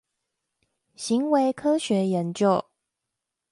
行為科學研究